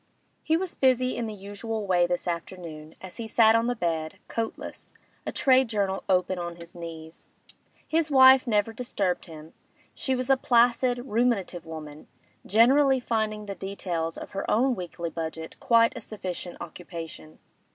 He was busy in the usual way this afternoon, as he sat on the bed, coatless, a trade journal open on his knees. His wife never disturbed him; she was a placid, ruminative woman, generally finding the details of her own weekly budget quite a sufficient occupation.